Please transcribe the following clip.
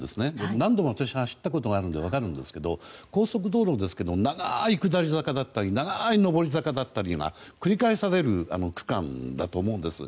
何度も私も走ったことがあるので分かるんですが高速道路ですけど長い下り坂だったり長い上り坂だったりが繰り返される区間だと思うんです。